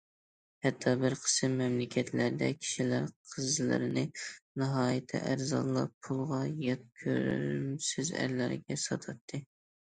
ھەتتا بىر قىسىم مەملىكەتلەردە كىشىلەر قىزلىرىنى ناھايىتى ئەرزانلا پۇلغا يات كۆرۈمسىز ئەرلەرگە ساتاتتى.